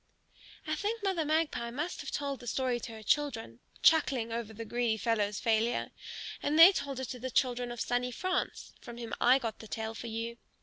I think Mother Magpie must have told the story to her children, chuckling over the greedy fellow's failure. And they told it to the children of sunny France, from whom I got the tale for you.